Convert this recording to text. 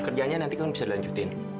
kerjanya nanti kan bisa dilanjutin